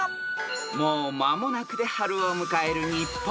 ［もう間もなくで春を迎える日本］